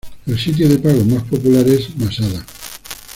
El sitio pago más popular es Masada.